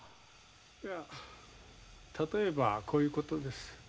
いや例えばこういうことです。